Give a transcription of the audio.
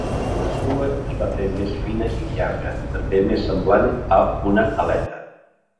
La cua es va fer més fina i llarga, també més semblant a una aleta.